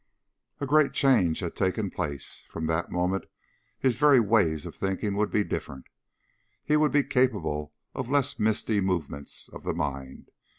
A great change had taken place. From that moment his very ways of thinking would be different. He would be capable of less misty movements of the mind.